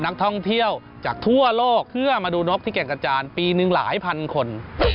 นักท่องเที่ยวจากทั่วโลกเพื่อมาดูนกที่แก่งกระจานปีหนึ่งหลายพันคน